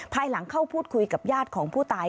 ภายหลังเข้าพูดคุยกับญาติของผู้ตาย